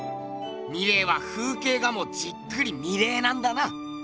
ミレーは風景画もじっくり見れなんだな。